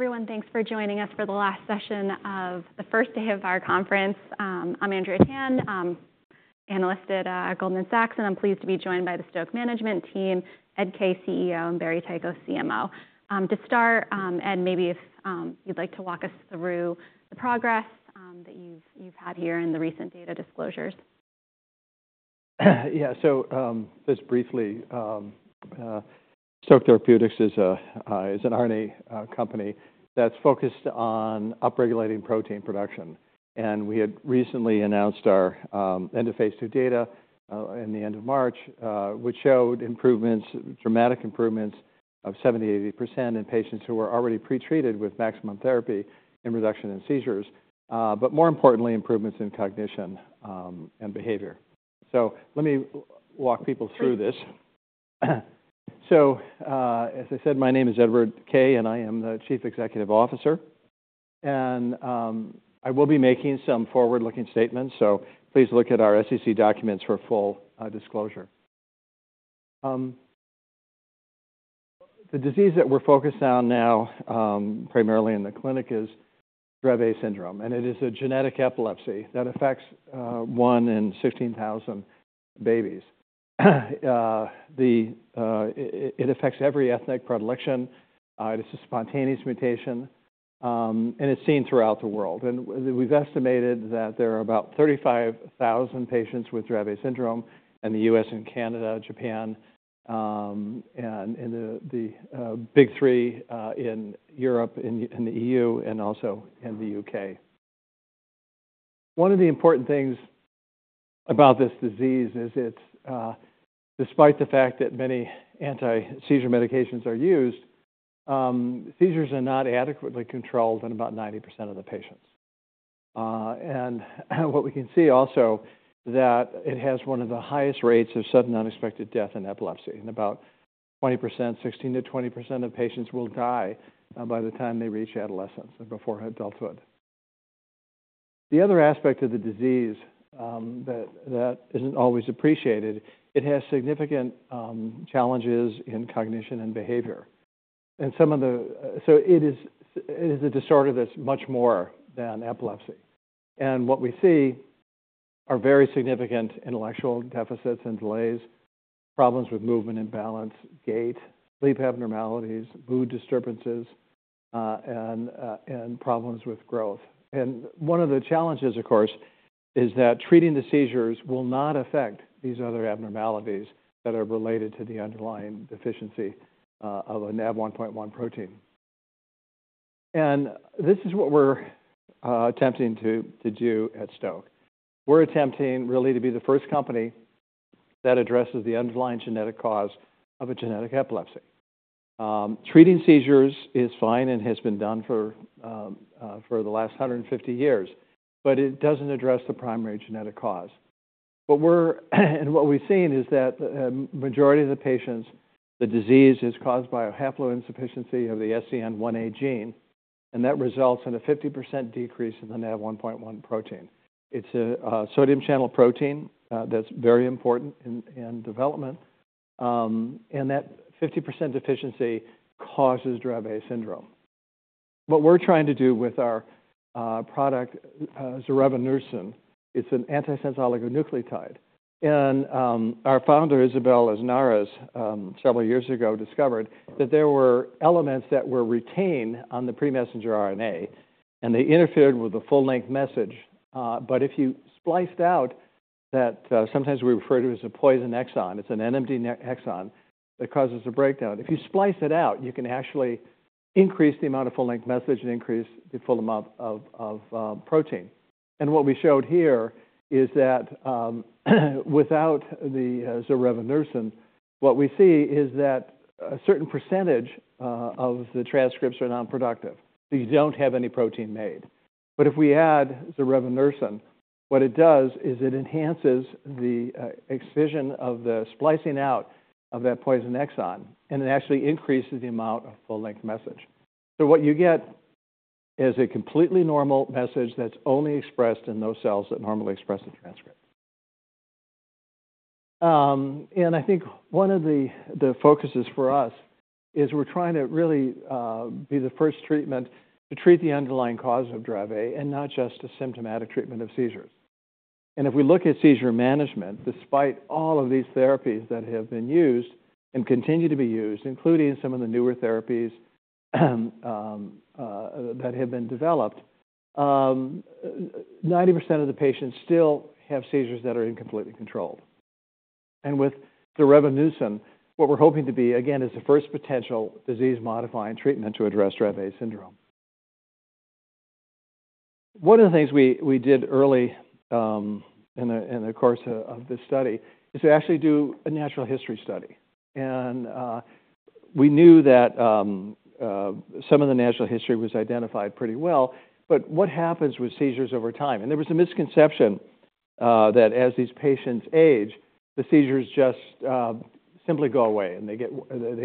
Hey, everyone. Thanks for joining us for the last session of the first day of our conference. I'm Andrea Tan, analyst at Goldman Sachs, and I'm pleased to be joined by the Stoke management team, Ed Kaye, CEO, and Barry Ticho, CMO. To start, Ed, maybe if you'd like to walk us through the progress that you've had here in the recent data disclosures. Yeah. So, just briefly, Stoke Therapeutics is a RNA company that's focused on upregulating protein production. And we had recently announced our end-of-phase II data in the end of March, which showed improvements, dramatic improvements of 70%, 80% in patients who were already pretreated with maximum therapy and reduction in seizures, but more importantly, improvements in cognition and behavior. So let me walk people through this. So, as I said, my name is Edward Kaye, and I am the Chief Executive Officer. And I will be making some forward-looking statements, so please look at our SEC documents for full disclosure. The disease that we're focused on now, primarily in the clinic, is Dravet syndrome, and it is a genetic epilepsy that affects one in 16,000 babies. It affects every ethnic predilection, it is a spontaneous mutation, and it's seen throughout the world. We've estimated that there are about 35,000 patients with Dravet syndrome in the U.S. and Canada, Japan, and in the big three in Europe, in the EU, and also in the U.K. One of the important things about this disease is it's despite the fact that many anti-seizure medications are used, seizures are not adequately controlled in about 90% of the patients. And what we can see also, that it has one of the highest rates of sudden unexpected death in epilepsy, and about 20%, 16%-20% of patients will die by the time they reach adolescence and before adulthood. The other aspect of the disease, that isn't always appreciated, it has significant challenges in cognition and behavior. So it is a disorder that's much more than epilepsy. And what we see are very significant intellectual deficits and delays, problems with movement and balance, gait, sleep abnormalities, mood disturbances, and problems with growth. And one of the challenges, of course, is that treating the seizures will not affect these other abnormalities that are related to the underlying deficiency of an NaV1.1 protein. And this is what we're attempting to do at Stoke. We're attempting, really, to be the first company that addresses the underlying genetic cause of a genetic epilepsy. Treating seizures is fine and has been done for the last 150 years, but it doesn't address the primary genetic cause. What we've seen is that majority of the patients, the disease is caused by a haploinsufficiency of the SCN1A gene, and that results in a 50% decrease in the NaV1.1 protein. It's a sodium channel protein that's very important in development, and that 50% deficiency causes Dravet syndrome. What we're trying to do with our product, zorevunersen, it's an antisense oligonucleotide. Our founder, Isabel Aznarez, several years ago discovered that there were elements that were retained on the pre-messenger RNA, and they interfered with the full-length message. But if you spliced out that, sometimes we refer to as a poison exon, it's an NMD exon that causes a breakdown. If you splice it out, you can actually increase the amount of full-length message and increase the full amount of protein. And what we showed here is that without the zorevunersen, what we see is that a certain percentage of the transcripts are non-productive. So you don't have any protein made. But if we add zorevunersen, what it does is it enhances the excision of the splicing out of that poison exon, and it actually increases the amount of full-length message. So what you get is a completely normal message that's only expressed in those cells that normally express the transcript. And I think one of the focuses for us is we're trying to really be the first treatment to treat the underlying cause of Dravet and not just a symptomatic treatment of seizures. And if we look at seizure management, despite all of these therapies that have been used and continue to be used, including some of the newer therapies that have been developed, 90% of the patients still have seizures that are incompletely controlled. And with zorevunersen, what we're hoping to be, again, is the first potential disease-modifying treatment to address Dravet syndrome. One of the things we did early in the course of this study is to actually do a natural history study. And we knew that some of the natural history was identified pretty well, but what happens with seizures over time? There was a misconception that as these patients age, the seizures just simply go away and they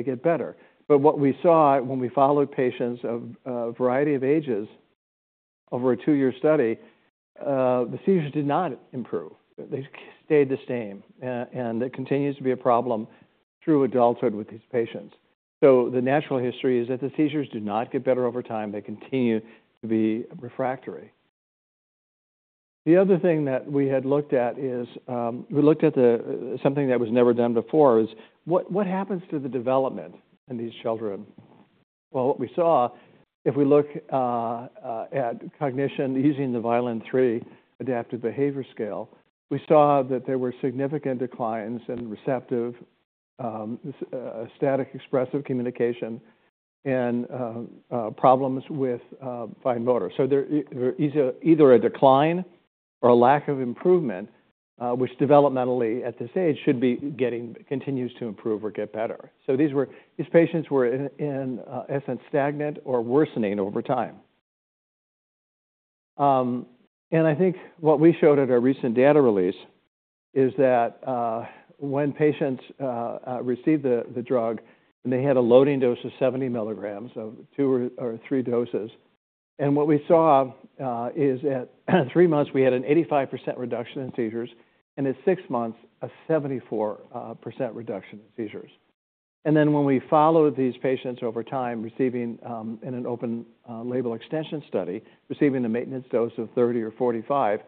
get better. But what we saw when we followed patients of a variety of ages over a 2-year study, the seizures did not improve. They stayed the same, and it continues to be a problem through adulthood with these patients. So the natural history is that the seizures do not get better over time; they continue to be refractory. The other thing that we had looked at is we looked at something that was never done before: what happens to the development in these children? Well, what we saw, if we look at cognition using the Vineland-3 Adaptive Behavior Scale, we saw that there were significant declines in receptive and expressive communication and problems with fine motor. So there either a decline or a lack of improvement, which developmentally at this age should be getting, continues to improve or get better. So these were these patients were in essence stagnant or worsening over time. And I think what we showed at our recent data release is that when patients received the drug and they had a loading dose of 70 milligrams, so 2 or 3 doses, and what we saw is at 3 months, we had an 85% reduction in seizures, and at 6 months, a 74% reduction in seizures. And then when we followed these patients over time, receiving in an open-label extension study, receiving a maintenance dose of 30 or 45,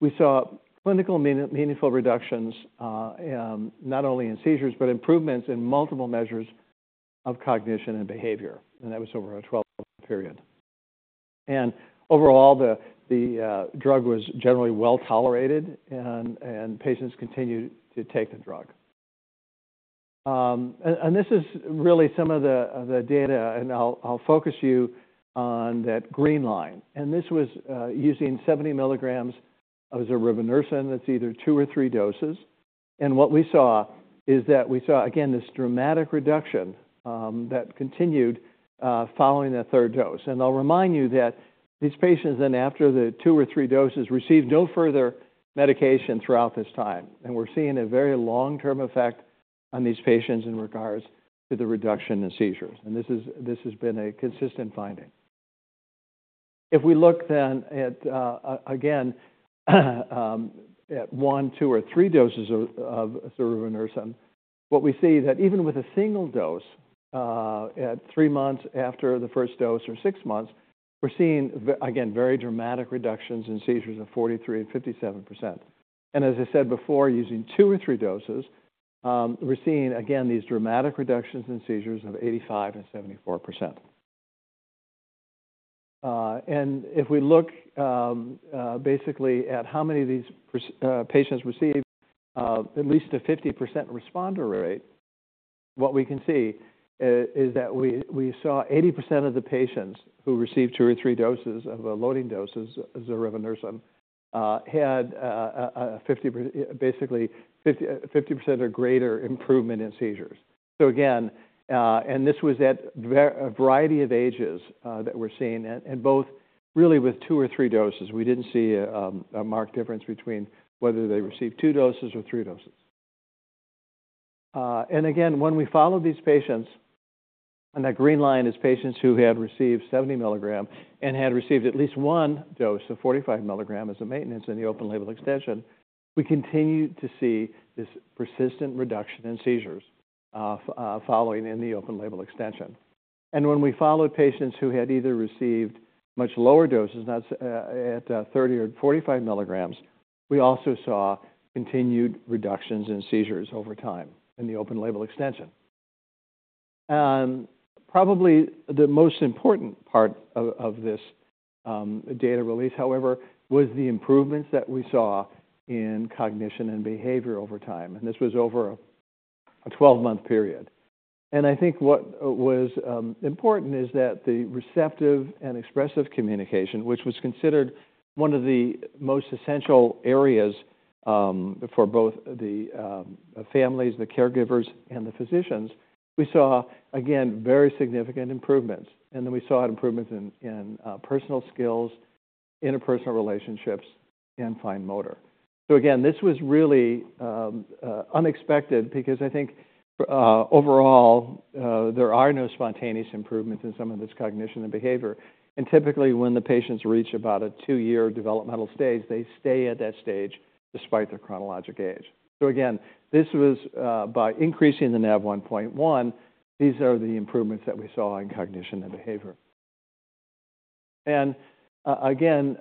we saw clinically meaningful reductions, not only in seizures, but improvements in multiple measures of cognition and behavior, and that was over a 12-month period. And overall, the drug was generally well-tolerated, and patients continued to take the drug. And this is really some of the data, and I'll focus you on that green line. And this was using 70 milligrams of zorevunersen, that's either 2 or 3 doses. And what we saw is that we saw, again, this dramatic reduction that continued following the third dose. I'll remind you that these patients, then after the 2 or 3 doses, received no further medication throughout this time, and we're seeing a very long-term effect on these patients in regards to the reduction in seizures. This is, this has been a consistent finding. If we look then at, again, at 1, 2, or 3 doses of zorevunersen, what we see that even with a single dose, at 3 months after the first dose or 6 months, we're seeing again, very dramatic reductions in seizures of 43% and 57%. And as I said before, using 2 or 3 doses, we're seeing, again, these dramatic reductions in seizures of 85% and 74%. And if we look basically at how many of these patients received at least a 50% responder rate, what we can see is that we saw 80% of the patients who received two or three doses of the loading doses of zorevunersen had a basically 50% or greater improvement in seizures. So again, and this was at a variety of ages that we're seeing, and both really with two or three doses. We didn't see a marked difference between whether they received two doses or three doses. and again, when we followed these patients, and that green line is patients who had received 70 milligram and had received at least one dose of 45 milligram as a maintenance in the open label extension, we continued to see this persistent reduction in seizures, following in the open label extension. And when we followed patients who had either received much lower doses, that's at 30 or 45 milligrams, we also saw continued reductions in seizures over time in the open label extension. And probably the most important part of this data release, however, was the improvements that we saw in cognition and behavior over time, and this was over a 12-month period. And I think what was important is that the receptive and expressive communication, which was considered one of the most essential areas, for both the families, the caregivers, and the physicians, we saw, again, very significant improvements. And then we saw improvements in personal skills, interpersonal relationships, and fine motor. So again, this was really unexpected because I think overall there are no spontaneous improvements in some of this cognition and behavior. And typically, when the patients reach about a two-year developmental stage, they stay at that stage despite their chronological age. So again, this was by increasing the NaV1.1, these are the improvements that we saw in cognition and behavior. And again,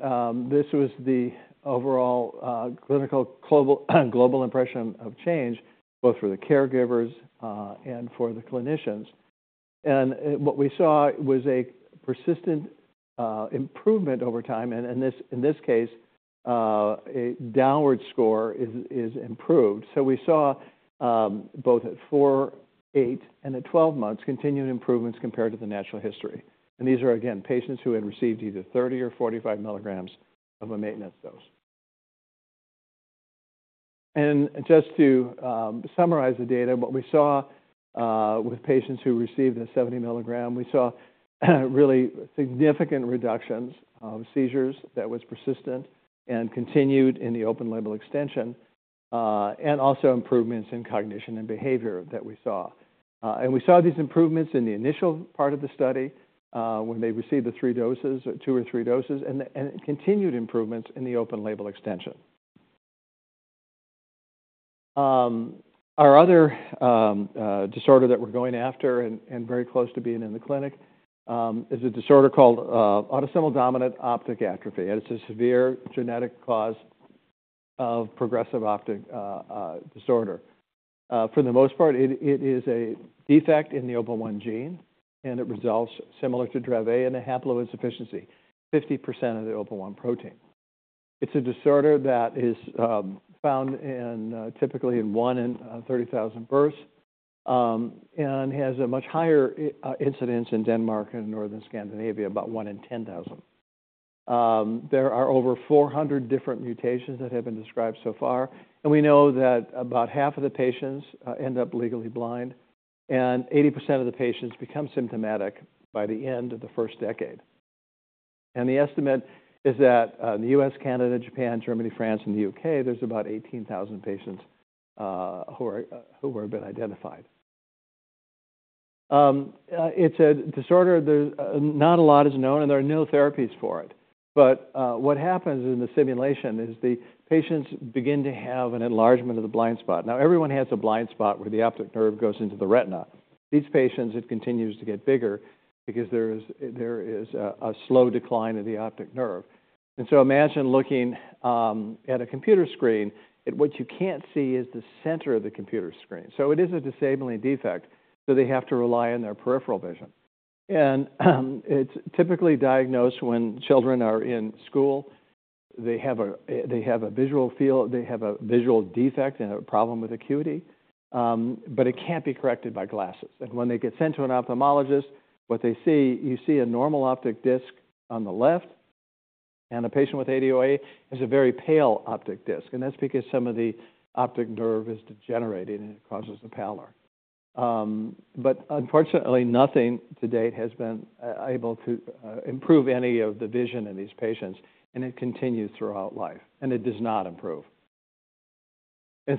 this was the overall clinical, global, global impression of change, both for the caregivers and for the clinicians. What we saw was a persistent improvement over time, and in this case, a downward score is improved. So we saw both at 4, 8, and 12 months, continued improvements compared to the natural history. And these are, again, patients who had received either 30 or 45 milligrams of a maintenance dose. And just to summarize the data, what we saw with patients who received the 70 milligram, we saw really significant reductions of seizures that was persistent and continued in the open label extension, and also improvements in cognition and behavior that we saw. And we saw these improvements in the initial part of the study, when they received the 3 doses, 2 or 3 doses, and continued improvements in the open label extension. Our other disorder that we're going after and very close to being in the clinic is a disorder called autosomal dominant optic atrophy. And it's a severe genetic cause of progressive optic disorder. For the most part, it is a defect in the OPA1 gene, and it results similar to Dravet in a haploinsufficiency, 50% of the OPA1 protein. It's a disorder that is found in typically in 1 in 30,000 births, and has a much higher incidence in Denmark and Northern Scandinavia, about 1 in 10,000. There are over 400 different mutations that have been described so far, and we know that about half of the patients end up legally blind, and 80% of the patients become symptomatic by the end of the first decade. The estimate is that the U.S., Canada, Japan, Germany, France, and the U.K. have about 18,000 patients who have been identified. It's a disorder that not a lot is known, and there are no therapies for it. But what happens in the simulation is the patients begin to have an enlargement of the blind spot. Now, everyone has a blind spot where the optic nerve goes into the retina. These patients, it continues to get bigger because there is a slow decline in the optic nerve. So imagine looking at a computer screen, and what you can't see is the center of the computer screen. It is a disabling defect, so they have to rely on their peripheral vision. It's typically diagnosed when children are in school. They have a visual defect and a problem with acuity, but it can't be corrected by glasses. And when they get sent to an ophthalmologist, what they see, you see a normal optic disc on the left, and a patient with ADOA has a very pale optic disc, and that's because some of the optic nerve is degenerating, and it causes the pallor. But unfortunately, nothing to date has been able to improve any of the vision in these patients, and it continues throughout life, and it does not improve.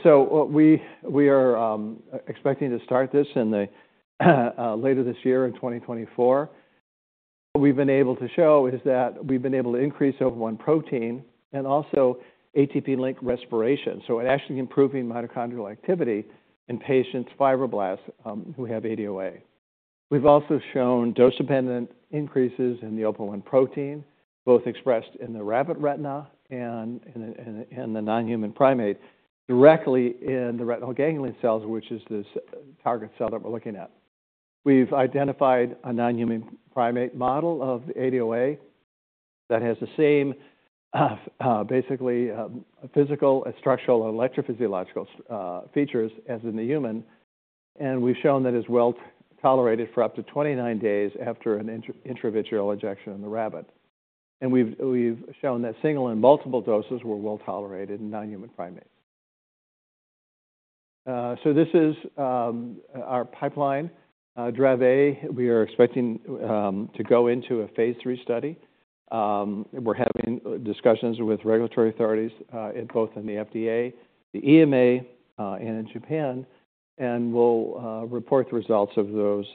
So what we are expecting to start this later this year in 2024. What we've been able to show is that we've been able to increase OPA1 protein and also ATP-linked respiration. So it actually improving mitochondrial activity in patients' fibroblasts, who have ADOA. We've also shown dose-dependent increases in the OPA1 protein, both expressed in the rabbit retina and in the non-human primate, directly in the retinal ganglion cells, which is this target cell that we're looking at. We've identified a non-human primate model of the ADOA that has the same, basically, physical and structural and electrophysiological, features as in the human. And we've shown that it's well tolerated for up to 29 days after an intravitreal injection in the rabbit. And we've shown that single and multiple doses were well tolerated in non-human primates. So this is our pipeline, Dravet. We are expecting to go into a phase III study. We're having discussions with regulatory authorities in the FDA, the EMA, and in Japan, and we'll report the results of those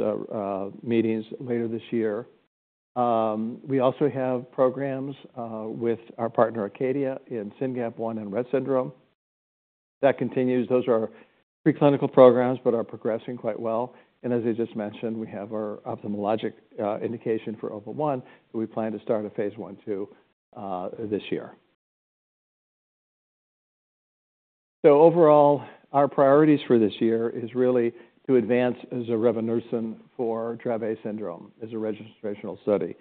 meetings later this year. We also have programs with our partner, Acadia, in SYNGAP1 and Rett syndrome. That continues. Those are preclinical programs but are progressing quite well. And as I just mentioned, we have our ophthalmologic indication for OPA1; we plan to start a phase 1/2 this year. So overall, our priorities for this year is really to advance zorevunersen for Dravet syndrome as a registrational study.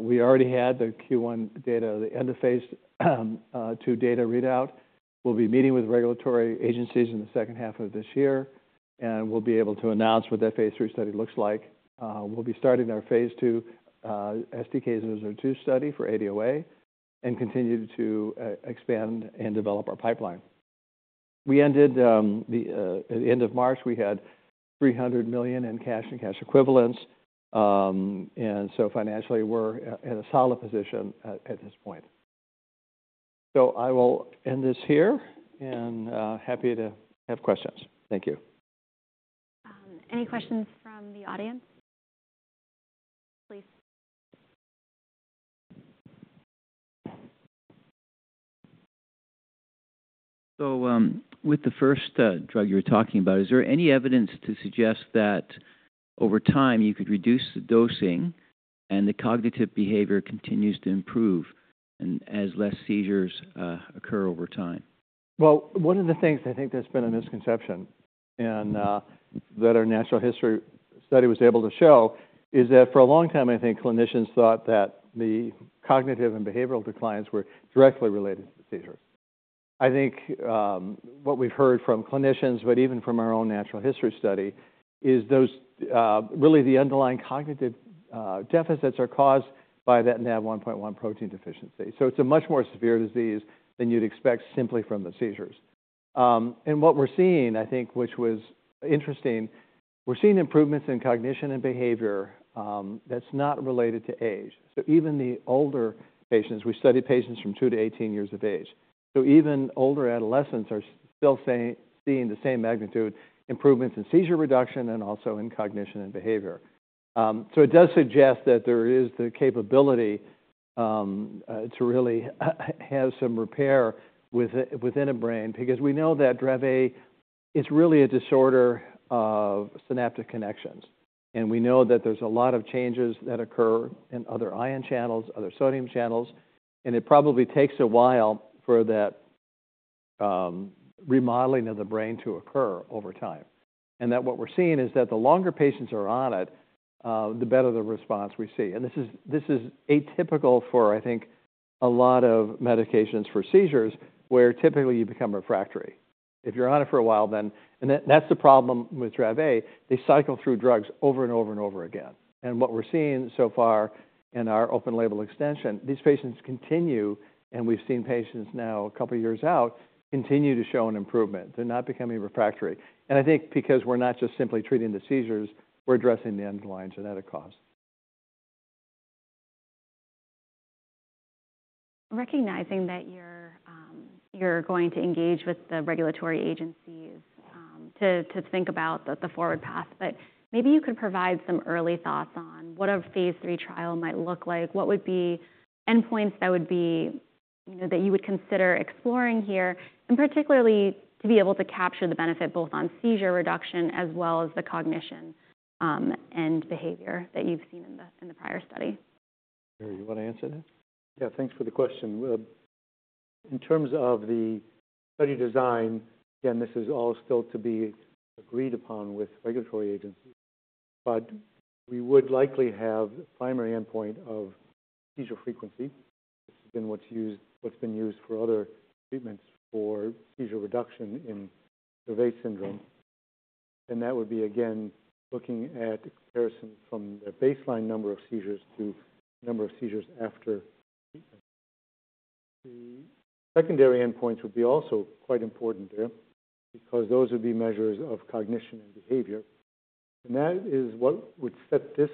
We already had the Q1 data, the end-of-phase II data readout. We'll be meeting with regulatory agencies in the second half of this year, and we'll be able to announce what that phase III study looks like. We'll be starting our phase II STK-002 study for ADOA and continue to expand and develop our pipeline. We ended at the end of March, we had $300 million in cash and cash equivalents. And so financially, we're in a solid position at this point. So I will end this here and happy to have questions. Thank you. Any questions from the audience? Please. So, with the first drug you were talking about, is there any evidence to suggest that over time you could reduce the dosing and the cognitive behavior continues to improve and as less seizures occur over time? Well, one of the things I think that's been a misconception and that our natural history study was able to show is that for a long time, I think clinicians thought that the cognitive and behavioral declines were directly related to the seizure. I think what we've heard from clinicians, but even from our own natural history study, is those really the underlying cognitive deficits are caused by that NaV1.1 protein deficiency. So it's a much more severe disease than you'd expect simply from the seizures. And what we're seeing, I think, which was interesting-... We're seeing improvements in cognition and behavior, that's not related to age. So even the older patients, we studied patients from 2 to 18 years of age. So even older adolescents are still seeing the same magnitude, improvements in seizure reduction and also in cognition and behavior. So it does suggest that there is the capability to really have some repair within a brain, because we know that Dravet is really a disorder of synaptic connections. And we know that there's a lot of changes that occur in other ion channels, other sodium channels, and it probably takes a while for that, remodeling of the brain to occur over time. And what we're seeing is that the longer patients are on it, the better the response we see. This is atypical for, I think, a lot of medications for seizures, where typically you become refractory. If you're on it for a while, then... That's the problem with Dravet. They cycle through drugs over and over and over again. What we're seeing so far in our open-label extension, these patients continue, and we've seen patients now a couple of years out, continue to show an improvement. They're not becoming refractory. I think because we're not just simply treating the seizures, we're addressing the underlying genetic cause. Recognizing that you're going to engage with the regulatory agencies, to think about the forward path, but maybe you could provide some early thoughts on what a phase III trial might look like, what would be endpoints that would be, you know, that you would consider exploring here, and particularly to be able to capture the benefit both on seizure reduction as well as the cognition, and behavior that you've seen in the prior study? Barry, you want to answer that? Yeah, thanks for the question. Well, in terms of the study design, again, this is all still to be agreed upon with regulatory agencies, but we would likely have a primary endpoint of seizure frequency. This has been what's used, what's been used for other treatments for seizure reduction in Dravet syndrome. And that would be, again, looking at comparison from the baseline number of seizures to number of seizures after. The secondary endpoints would be also quite important there because those would be measures of cognition and behavior, and that is what would set this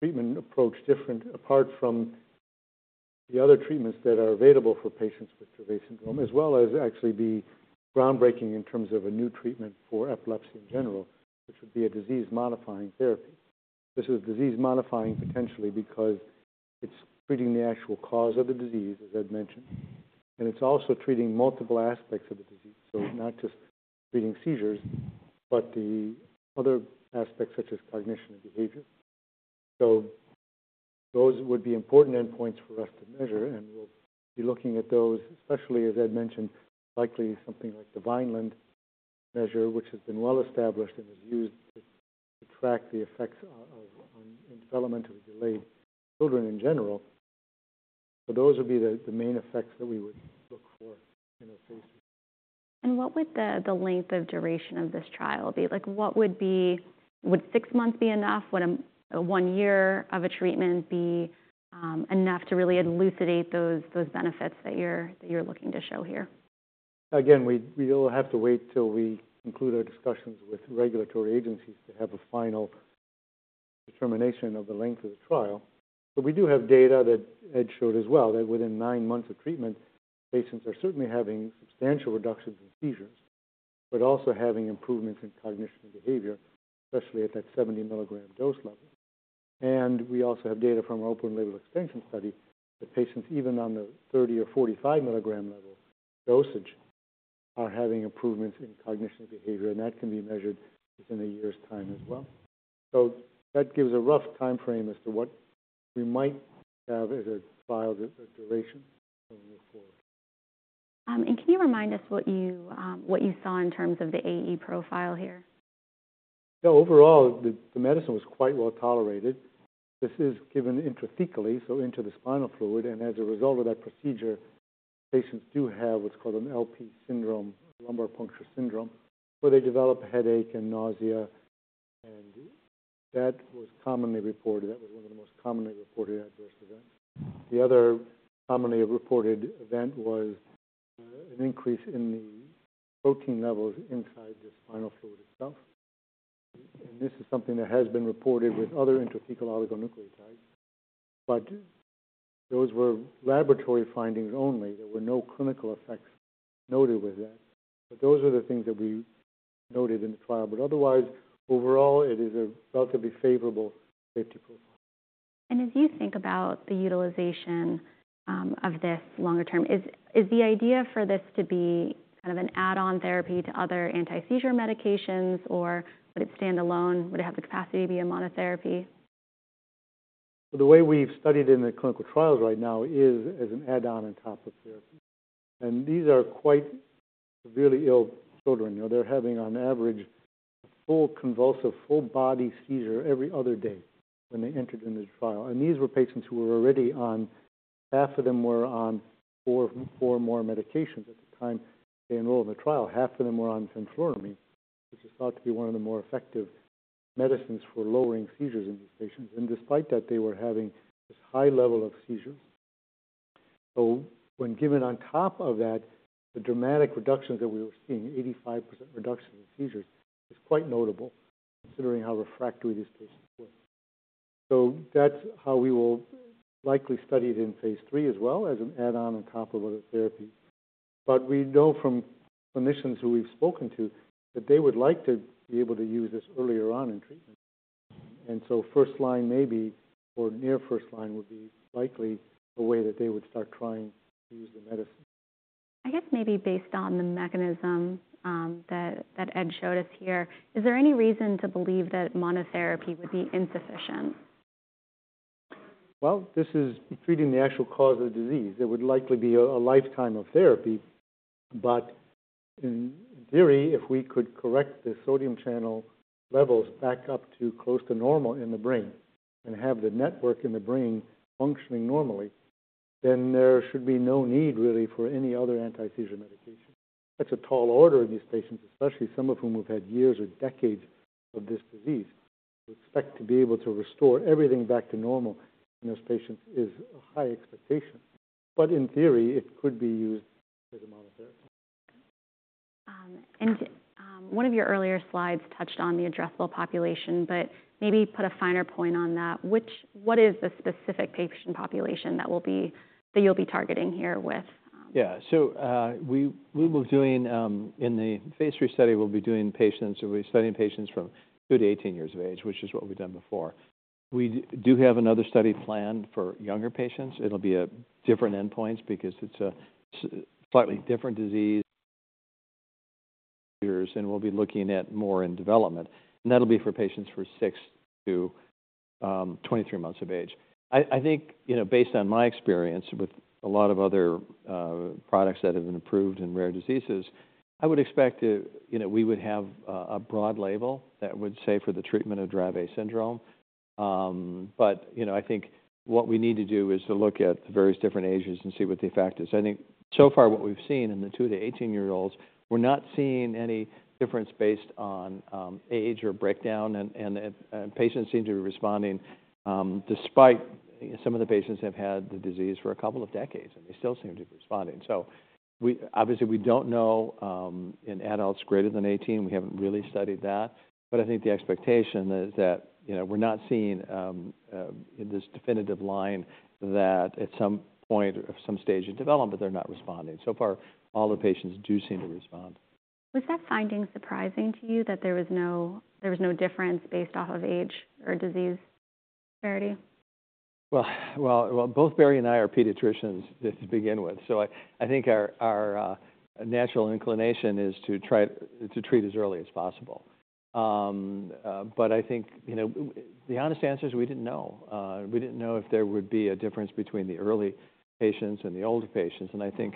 treatment approach different apart from the other treatments that are available for patients with Dravet syndrome, as well as actually be groundbreaking in terms of a new treatment for epilepsy in general, which would be a disease-modifying therapy. This is disease-modifying potentially because it's treating the actual cause of the disease, as Ed mentioned, and it's also treating multiple aspects of the disease. So not just treating seizures, but the other aspects, such as cognition and behavior. So those would be important endpoints for us to measure, and we'll be looking at those, especially, as Ed mentioned, likely something like the Vineland measure, which has been well-established and is used to track the effects of, on developmentally delayed children in general. So those would be the main effects that we would look for in a phase III. What would the length of duration of this trial be? Like, what would be... Would six months be enough? Would one year of a treatment be enough to really elucidate those benefits that you're looking to show here? Again, we will have to wait till we conclude our discussions with regulatory agencies to have a final determination of the length of the trial. But we do have data that Ed showed as well, that within 9 months of treatment, patients are certainly having substantial reductions in seizures, but also having improvements in cognition and behavior, especially at that 70 milligram dose level. And we also have data from our open-label extension study that patients, even on the 30 or 45 milligram level dosage, are having improvements in cognition and behavior, and that can be measured within a year's time as well. So that gives a rough timeframe as to what we might have as a trial duration going forward. Can you remind us what you saw in terms of the AE profile here? Yeah, overall, the medicine was quite well tolerated. This is given intrathecally, so into the spinal fluid, and as a result of that procedure, patients do have what's called an LP syndrome, lumbar puncture syndrome, where they develop a headache and nausea, and that was commonly reported. That was one of the most commonly reported adverse events. The other commonly reported event was an increase in the protein levels inside the spinal fluid itself. And this is something that has been reported with other intrathecal oligonucleotides, but those were laboratory findings only. There were no clinical effects noted with that. But those are the things that we noted in the trial. But otherwise, overall, it is a relatively favorable safety profile. As you think about the utilization of this longer term, is the idea for this to be kind of an add-on therapy to other anti-seizure medications, or would it stand alone? Would it have the capacity to be a monotherapy? The way we've studied in the clinical trials right now is as an add-on on top of therapy. These are quite severely ill children. You know, they're having on average a full convulsive, full-body seizure every other day when they entered in this trial. These were patients who were already on; half of them were on 4 or more medications at the time they enrolled in the trial. Half of them were on fenfluramine, which is thought to be one of the more effective medicines for lowering seizures in these patients. Despite that, they were having this high level of seizures. So when given on top of that, the dramatic reductions that we were seeing, 85% reduction in seizures, is quite notable considering how refractory these patients were. That's how we will likely study it in phase III as well as an add-on on top of other therapies. We know from clinicians who we've spoken to, that they would like to be able to use this earlier on in treatment. First line maybe, or near first line, would be likely a way that they would start trying to use the medicine. I guess maybe based on the mechanism, that Ed showed us here, is there any reason to believe that monotherapy would be insufficient? Well, this is treating the actual cause of the disease. It would likely be a lifetime of therapy, but in theory, if we could correct the sodium channel levels back up to close to normal in the brain and have the network in the brain functioning normally, then there should be no need really for any other anti-seizure medication. That's a tall order in these patients, especially some of whom who've had years or decades of this disease. To expect to be able to restore everything back to normal in those patients is a high expectation, but in theory, it could be used as a monotherapy. One of your earlier slides touched on the addressable population, but maybe put a finer point on that. What is the specific patient population that you'll be targeting here with? Yeah. So, we will doing— In the phase III study, we'll be doing patients, we'll be studying patients from 2 to 18 years of age, which is what we've done before. We do have another study planned for younger patients. It'll be a different endpoint because it's a slightly different disease years, and we'll be looking at more in development, and that'll be for patients for 6 to 23 months of age. I think, you know, based on my experience with a lot of other products that have been approved in rare diseases, I would expect to, you know, we would have a broad label that would say for the treatment of Dravet syndrome. But, you know, I think what we need to do is to look at the various different ages and see what the effect is. I think so far, what we've seen in the 2- to 18-year-olds, we're not seeing any difference based on age or breakdown, and patients seem to be responding despite some of the patients have had the disease for a couple of decades, and they still seem to be responding. So, obviously, we don't know in adults greater than 18; we haven't really studied that. But I think the expectation is that, you know, we're not seeing this definitive line that at some point or some stage of development, they're not responding. So far, all the patients do seem to respond. Was that finding surprising to you, that there was no difference based off of age or disease severity? Well, well, well, both Barry and I are pediatricians just to begin with, so I think our natural inclination is to try to treat as early as possible. But I think, you know, the honest answer is we didn't know. We didn't know if there would be a difference between the early patients and the older patients, and I think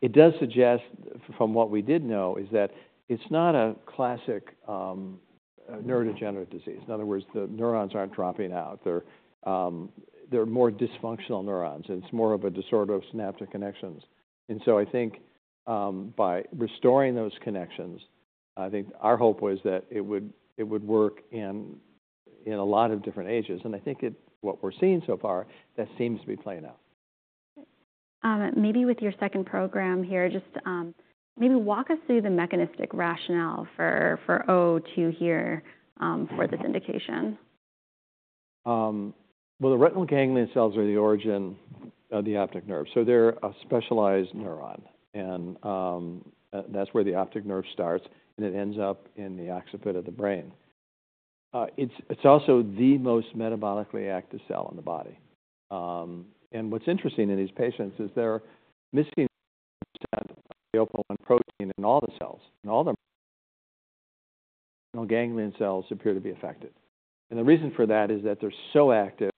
it does suggest, from what we did know, is that it's not a classic neurodegenerative disease. In other words, the neurons aren't dropping out. They're more dysfunctional neurons, and it's more of a disorder of synaptic connections. And so I think, by restoring those connections, I think our hope was that it would work in a lot of different ages. And I think it, what we're seeing so far, that seems to be playing out. Maybe with your second program here, just maybe walk us through the mechanistic rationale for STK-002 here, for this indication. Well, the retinal ganglion cells are the origin of the optic nerve, so they're a specialized neuron. And, that's where the optic nerve starts, and it ends up in the occiput of the brain. It's also the most metabolically active cell in the body. And what's interesting in these patients is they're missing the OPA1 protein in all the cells, in all the ganglion cells appear to be affected. And the reason for that is that they're so active,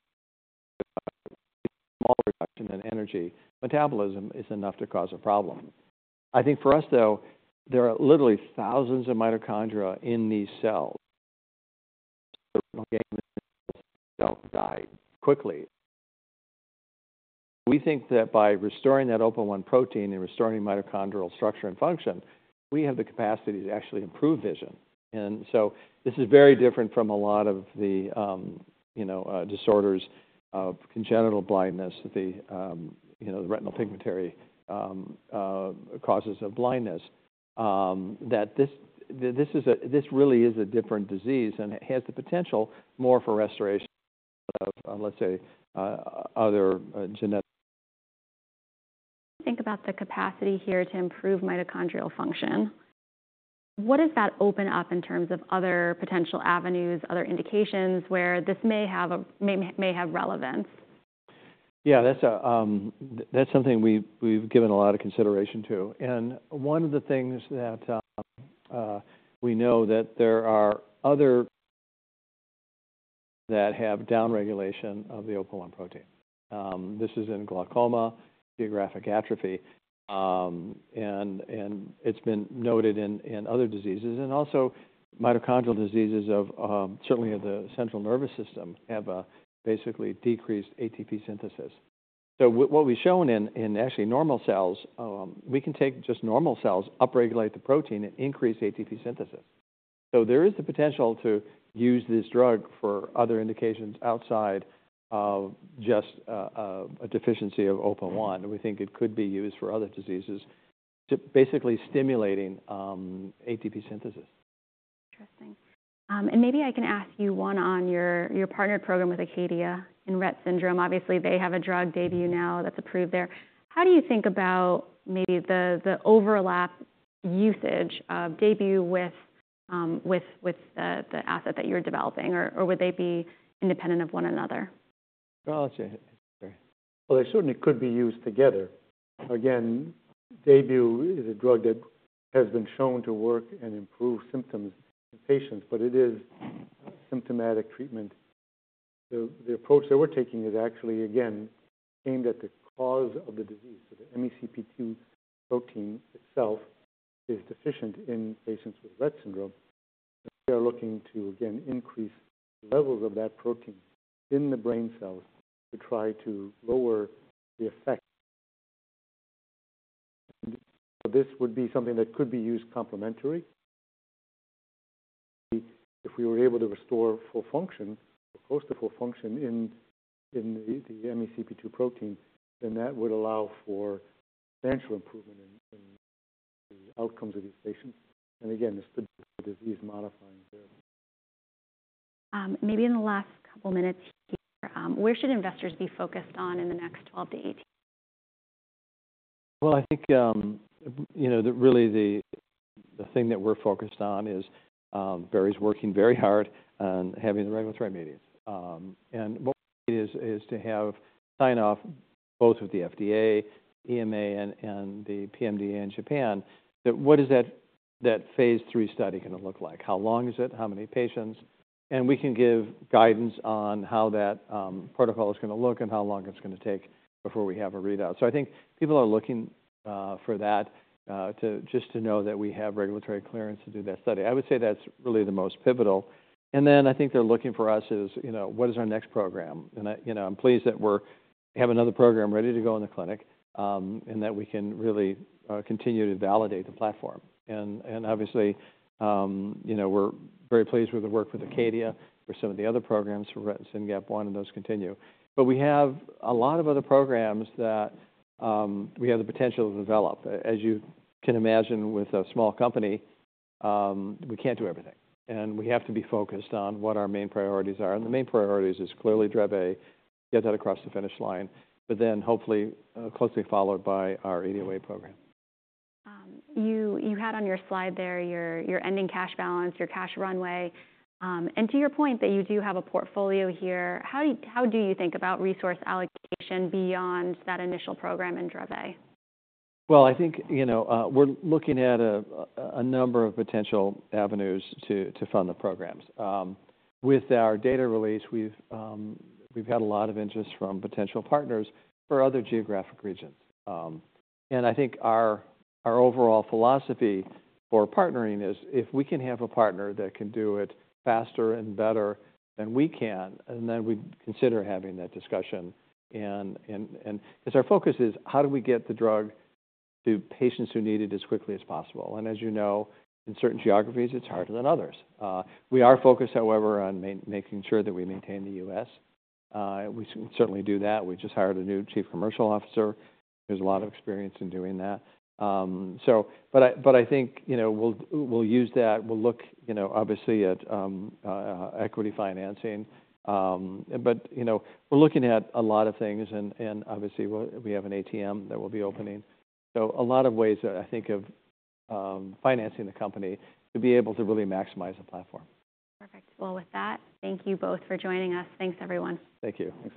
smaller reduction in energy, metabolism is enough to cause a problem. I think for us, though, there are literally thousands of mitochondria in these cells... themselves die quickly. We think that by restoring that OPA1 protein and restoring mitochondrial structure and function, we have the capacity to actually improve vision. And so this is very different from a lot of the, you know, disorders of congenital blindness, the, you know, the retinal pigmentary causes of blindness. That this really is a different disease, and it has the potential more for restoration of, let's say, other genetic- Think about the capacity here to improve mitochondrial function. What does that open up in terms of other potential avenues, other indications where this may have relevance? Yeah, that's a... That's something we've given a lot of consideration to. And one of the things that we know that there are other that have downregulation of the OPA1 protein. This is in glaucoma, geographic atrophy, and it's been noted in other diseases, and also mitochondrial diseases of certainly of the central nervous system have a basically decreased ATP synthesis. So what we've shown in actually normal cells, we can take just normal cells, upregulate the protein, and increase ATP synthesis... So there is the potential to use this drug for other indications outside of just a deficiency of OPA1. We think it could be used for other diseases, to basically stimulating ATP synthesis. Interesting. And maybe I can ask you one on your partnered program with Acadia in Rett syndrome. Obviously, they have a drug DAYBUE now that's approved there. How do you think about maybe the overlap usage of DAYBUE with the asset that you're developing? Or would they be independent of one another? Well, they certainly could be used together. Again, DAYBUE is a drug that has been shown to work and improve symptoms in patients, but it is symptomatic treatment. So the approach that we're taking is actually, again, aimed at the cause of the disease. So the MECP2 protein itself is deficient in patients with Rett syndrome. We are looking to, again, increase levels of that protein in the brain cells to try to lower the effect. This would be something that could be used complementary. If we were able to restore full function, or close to full function in the MECP2 protein, then that would allow for potential improvement in the outcomes of these patients. And again, this is a disease-modifying therapy. Maybe in the last couple minutes here, where should investors be focused on in the next 12 to 18? Well, I think, you know, the really, the thing that we're focused on is, Barry's working very hard on having the regulatory meetings. And what is to have sign-off both with the FDA, EMA, and the PMDA in Japan, that what is that, that phase III study gonna look like? How long is it? How many patients? And we can give guidance on how that protocol is gonna look and how long it's gonna take before we have a readout. So I think people are looking for that to just to know that we have regulatory clearance to do that study. I would say that's really the most pivotal. And then I think they're looking for us is, you know, what is our next program? And I, you know, I'm pleased that we have another program ready to go in the clinic, and that we can really continue to validate the platform. And obviously, you know, we're very pleased with the work with Acadia for some of the other programs, for SYNGAP1, and those continue. But we have a lot of other programs that we have the potential to develop. As you can imagine, with a small company, we can't do everything, and we have to be focused on what our main priorities are. And the main priorities is clearly Dravet, get that across the finish line, but then hopefully closely followed by our ADOA program. You had on your slide there, your ending cash balance, your cash runway. And to your point that you do have a portfolio here, how do you think about resource allocation beyond that initial program in Dravet? Well, I think, you know, we're looking at a number of potential avenues to fund the programs. With our data release, we've had a lot of interest from potential partners for other geographic regions. And I think our overall philosophy for partnering is, if we can have a partner that can do it faster and better than we can, then we'd consider having that discussion. And as our focus is, how do we get the drug to patients who need it as quickly as possible? And as you know, in certain geographies, it's harder than others. We are focused, however, on making sure that we maintain the U.S. We can certainly do that. We just hired a new Chief Commercial Officer, who has a lot of experience in doing that. So, but I think, you know, we'll use that. We'll look, you know, obviously at equity financing. But, you know, we're looking at a lot of things, and obviously, we have an ATM that will be opening. So a lot of ways, I think, of financing the company to be able to really maximize the platform. Perfect. Well, with that, thank you both for joining us. Thanks, everyone. Thank you. Thanks.